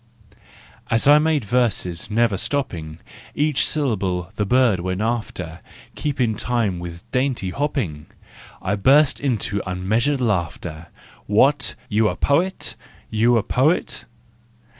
As I made verses, never stopping, Each syllable the bird went after, Keeping in time with dainty hopping! I burst into unmeasured laughter! What, you a poet? You a poet?